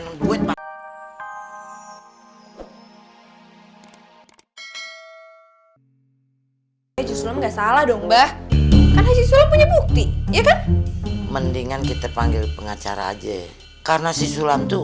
nggak salah dong mbak punya bukti ya mendingan kita panggil pengacara aja karena sisulam tuh